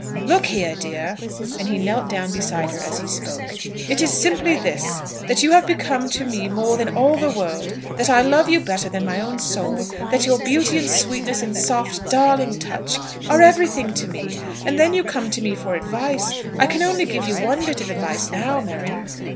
"Look here, dear," and he knelt down beside her as he spoke, "it is simply this, that you have become to me more than all the world; that I love you better than my own soul; that your beauty and sweetness, and soft, darling touch, are everything to me. And then you come to me for advice! I can only give you one bit of advice now, Mary."